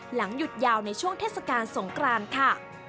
หยุดยาวในช่วงเทศกาลสงกรานค่ะ